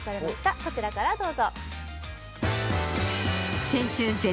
こちらからどうぞ。